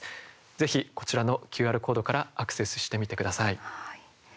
ぜひ、こちらのＱＲコードからアクセスしてみてください。